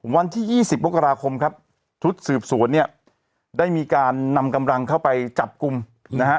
วันที่๒๐มกราคมครับชุดสืบสวนเนี่ยได้มีการนำกำลังเข้าไปจับกลุ่มนะฮะ